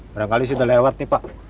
barangkali sudah lewat nih pak